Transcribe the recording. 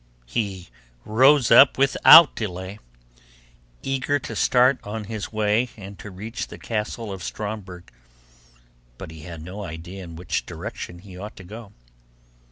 He rose up without delay, eager to start on his way and to reach the castle of Stromberg, but he had no idea in which direction he ought to go.